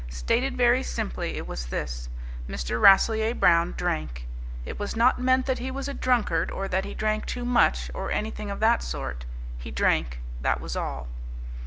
Stated very simply, it was this: Mr. Rasselyer Brown drank. It was not meant that he was a drunkard or that he drank too much, or anything of that sort. He drank. That was all.